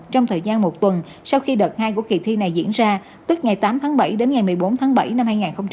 trong thời gian một tuần sau khi đợt hai của kỳ thi này diễn ra từ ngày tám tháng bảy đến ngày một mươi bốn tháng bảy năm hai nghìn hai mươi